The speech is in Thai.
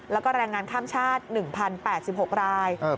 แล้วก็แรงงานข้ามชาติ๑๐๘๖ราย